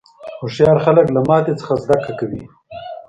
هوښیار خلک له ماتې نه زده کوي.